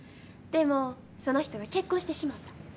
でもその人が結婚してしもた。